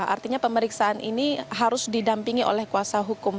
artinya pemeriksaan ini harus didampingi oleh kuasa hukum